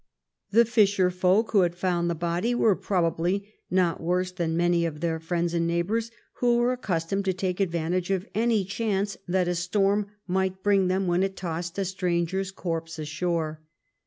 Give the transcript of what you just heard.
The fisher folk who had found the body were probably not worse than many of their friends and neighbors who were accustomed to take advantage of any chance that a storm might bring them when it tossed a stranger's corpse ashore.